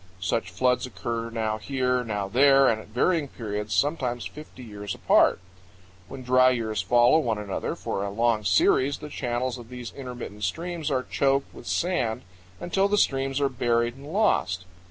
Such floods occur now here, now there, and at varying periods, sometimes fifty years apart. When dry years follow one another for a long series, the channels of these intermittent streams are choked with sand until the streams are buried and lost.